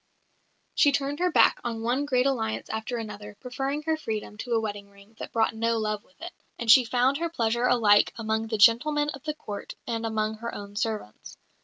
She turned her back on one great alliance after another, preferring her freedom to a wedding ring that brought no love with it; and she found her pleasure alike among the gentlemen of the Court and among her own servants.